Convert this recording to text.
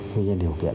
nguyên nhân điều kiện